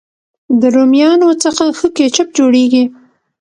د رومیانو څخه ښه کېچپ جوړېږي.